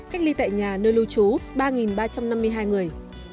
cách ly tại nhà nơi lưu trú ba ba trăm năm mươi hai người